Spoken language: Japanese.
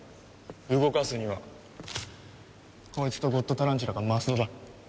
動かすにはこいつとゴッドタランチュラがマストだ。